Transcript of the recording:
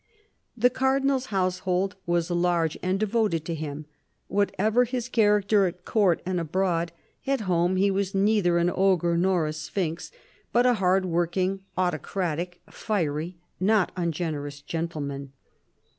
The Cardinal's household was large, and devoted to him ; whatever his character at Court and abroad, at home he was neither an ogre nor a sphinx, but a hard working, autocratic, fiery, not ungenerous gentleman.